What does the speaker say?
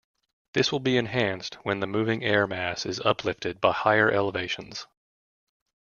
This will be enhanced when the moving air mass is uplifted by higher elevations.